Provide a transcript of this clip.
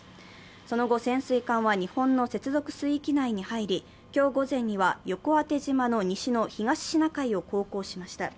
その後、潜水艦は日本の接続水域内に入り、今日午前には横当島の西の東シナ海を航行しました。